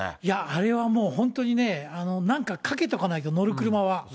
あれはもう本当にね、なんか掛けとかないと、乗る車は。